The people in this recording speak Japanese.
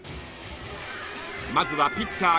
［まずはピッチャー